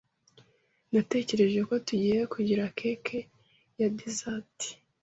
Natekereje ko tugiye kugira cake ya dessert.